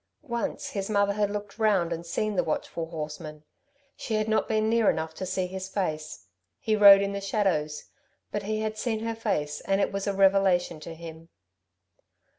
Once his mother had looked round and seen the watchful horseman. She had not been near enough to see his face. He rode in the shadows. But he had seen her face and it was a revelation to him.